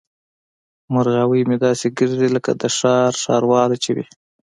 مرغاوۍ مې داسې ګرځي لکه د ښار ښارواله چې وي.